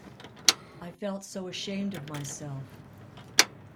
I felt so ashamed of myself.